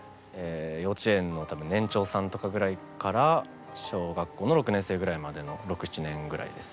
幼稚園の年長さんとかぐらいから小学校の６年生ぐらいまでの６７年ぐらいです。